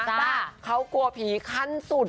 พี่แบริเขากลัวผีคันสุด